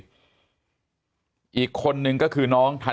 มีความรู้สึกว่า